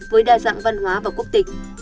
với đa dạng văn hóa và quốc tịch